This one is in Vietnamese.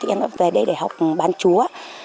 em về đây để học bán chúa